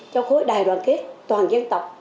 cho khối đài đoàn kết toàn dân tộc